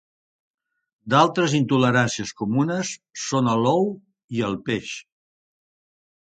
D'altres intoleràncies comunes són a l'ou i al peix.